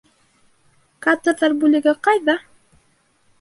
Кадрҙар бүлеге ҡайҙа?